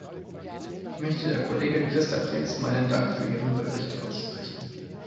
Ich möchte der Kollegin Christa Prets meinen Dank für ihren Bericht aussprechen.